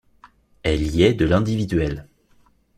Elle y est de l'individuel.